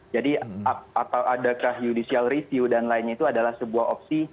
jadi apakah judicial review dan lainnya itu adalah sebuah opsi